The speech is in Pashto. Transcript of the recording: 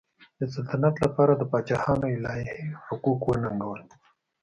د سلطنت لپاره د پاچاهانو الهي حقوق وننګول.